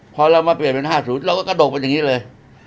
พอเรามาเปลี่ยนเป็น๕๐เราก็กระโดกเป็นอย่างนี้เลย